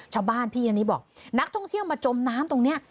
ชาวบ้านพี่อันนี้บอกนักท่องเที่ยวมาจมน้ำตรงนี้